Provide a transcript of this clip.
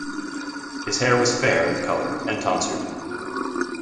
His hair was fair in color and tonsured.